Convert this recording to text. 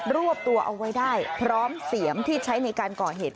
รวบตัวเอาไว้ได้พร้อมเสียมที่ใช้ในการก่อเหตุ